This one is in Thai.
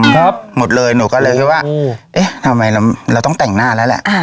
ครับหมดเลยหนูก็เลยคิดว่าเอ๊ะทำไมเราต้องแต่งหน้าแล้วแหละ